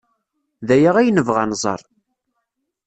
D aya ay nebɣa ad nẓer.